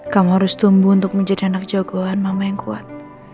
kamu harus tumbuh untuk menjadi anak jagoan mama yang kuat